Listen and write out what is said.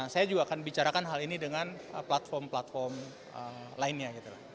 saya juga akan bicarakan hal ini dengan platform platform lainnya